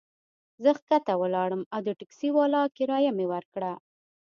زه کښته ولاړم او د ټکسي والا کرایه مي ورکړه.